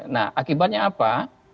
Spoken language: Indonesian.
nah akibatnya apa